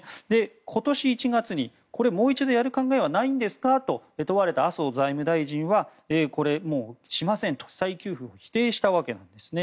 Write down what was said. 今年１月にもう一度やる考えはないんですかと問われた麻生財務大臣はこれ、もうしませんと再給付を否定したわけです。